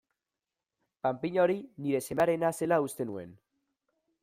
Panpina hori nire semearena zela uste nuen.